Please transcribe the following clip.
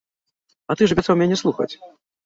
А ты ж абяцаў мяне слухаць.